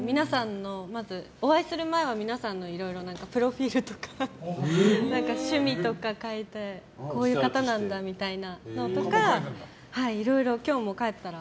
お会いする前は皆さんのいろいろなプロフィールとか趣味とかを書いてこういう方なんだみたいなこととかいろいろ今日も帰ったら。